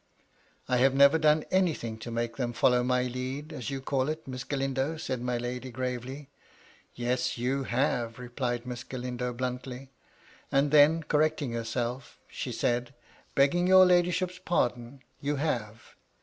" I have never done anything to make them follow my lead, as you call it, Miss Galindo," said my lady, gravely. "Yes, you have," replied Miss Galindo, bluntly. And then, correcting herself, she said, " Begging your ladyship's pardon, you have.